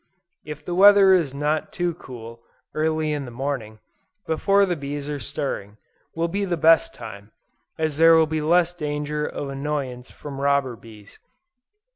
If the weather is not too cool, early in the morning, before the bees are stirring, will be the best time, as there will be less danger of annoyance from robber bees.